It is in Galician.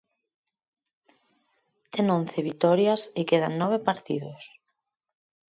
Ten once vitorias e quedan nove partidos.